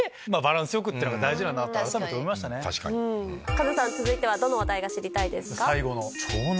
カズさん続いてはどの話題が知りたいですか？